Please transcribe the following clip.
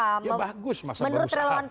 ya bagus masa baru sah